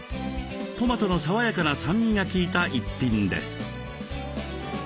トマトの爽やかな酸味が効いた一品です。